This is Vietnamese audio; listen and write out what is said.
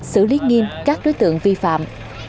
xử lý nghiêm các đối tượng vi phạm